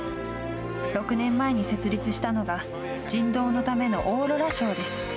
６年前に設立したのが、人道のためのオーロラ賞です。